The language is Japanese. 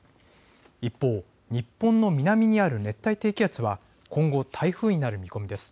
一方、日本の南にある熱帯低気圧は今後、台風になる見込みです。